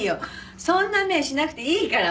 そんな目しなくていいからもう。